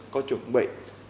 có chuẩn bị